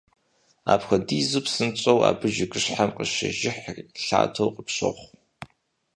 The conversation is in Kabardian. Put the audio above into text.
Апхуэдизу псынщӏэу абы жыгыщхьэм къыщежыхьри, лъатэу къыпщохъу.